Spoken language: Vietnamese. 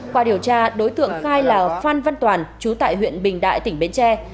qua điều tra đối tượng khai là phan văn toàn chú tại huyện bình đại tỉnh bến tre